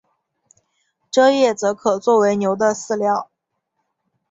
蔗叶则可做为牛的饲料。